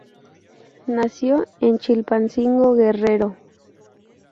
Nació en Chilpancingo, Guerrero.